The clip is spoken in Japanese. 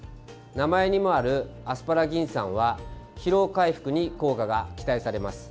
名前にもあるアスパラギン酸は疲労回復に効果が期待されます。